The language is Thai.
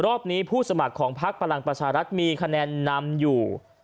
รอบนี้ผู้สมัครของพักพลังประชารัฐมีคะแนนนำอยู่